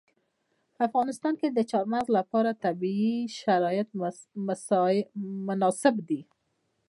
په افغانستان کې د چار مغز لپاره طبیعي شرایط مناسب دي.